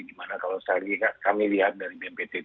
di mana kalau saya lihat kami lihat dari bnpt